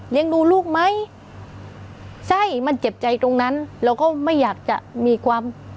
ดูลูกไหมใช่มันเจ็บใจตรงนั้นเราก็ไม่อยากจะมีความ